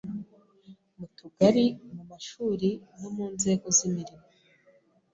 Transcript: Mu tugari, mu mashuri no mu nzego z’imirimo.